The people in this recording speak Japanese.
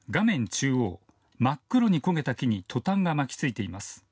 中央、真っ黒に焦げた木にトタンが巻きついています。